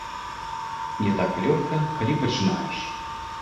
Не так лёгка, калі пачынаеш.